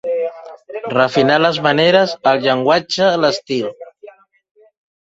Refinar les maneres, el llenguatge, l'estil.